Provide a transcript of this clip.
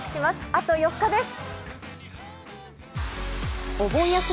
あと４日です。